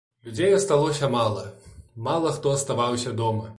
Людзей асталося мала, мала хто аставаўся дома.